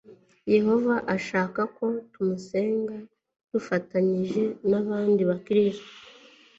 yehova ashaka ko tumusenga dufatanyije n'abandi bakristo